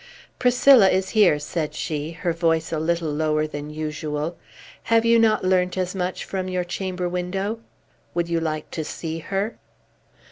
"Priscilla is here," said she, her voice a little lower than usual. "Have not you learnt as much from your chamber window? Would you like to see her?"